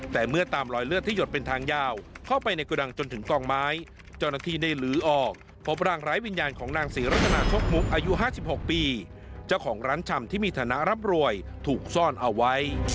แต่เมื่อตามรอยเลือดที่หยดเป็นทางยาวเข้าไปในกระดังจนถึงกองไม้เจ้าหน้าที่ได้ลื้อออกพบร่างไร้วิญญาณของนางศรีรัตนาชกมุกอายุ๕๖ปีเจ้าของร้านชำที่มีฐานะรับรวยถูกซ่อนเอาไว้